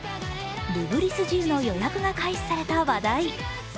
ルブリスジウの予約が開始された話題。